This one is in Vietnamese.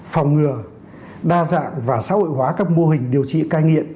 phòng ngừa đa dạng và xã hội hóa các mô hình điều trị cai nghiện